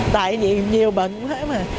tại nhiều bệnh cũng thế mà